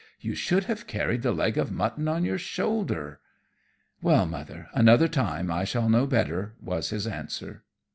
You should have carried the leg of mutton on your shoulder." "Well, Mother, another time I shall know better," was his answer.